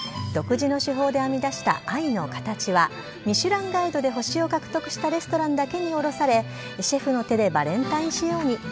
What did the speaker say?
独自の手法で編み出した愛のカタチは、ミシュランガイドで星を獲得したレストランだけに卸され、シェフの手でバレンタイン仕様に。